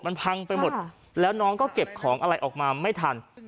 มันพังไปหมดแล้วน้องก็เก็บของอะไรออกมาไม่ทัน